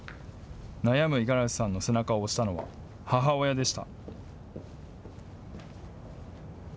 悩む五十嵐さんの背中を押したのは母親でした。